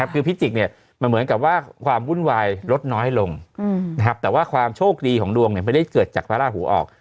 คือพิจิกมันเหมือนกับว่าความวุ่นวายลดน้อยลงแต่ว่าความโชคดีของดวงไม่ได้เกิดจากพระราหูออก